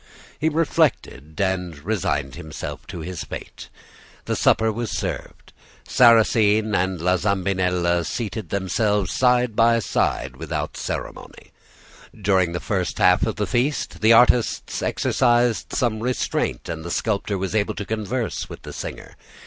He reflected and resigned himself to his fate. The supper was served. Sarrasine and La Zambinella seated themselves side by side without ceremony. During the first half of the feast the artists exercised some restraint, and the sculptor was able to converse with the singer.